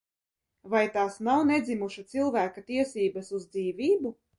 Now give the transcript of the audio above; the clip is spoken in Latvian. Vai tās nav nedzimuša cilvēka tiesības uz dzīvību?